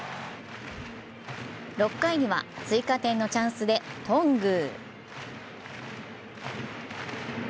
６回には追加点のチャンスで頓宮。